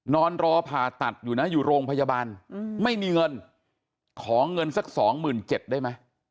นอนรอผ่าตัดอยู่นะอยู่โรงพยาบาลไม่มีเงินขอเงินสัก๒๗๐๐ได้ไหม